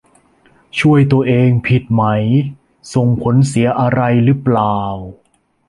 ช่วยตัวเอง ผิดไหม ส่งผลเสียอะไรหรือเปล่า